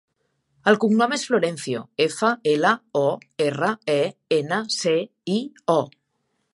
El cognom és Florencio: efa, ela, o, erra, e, ena, ce, i, o.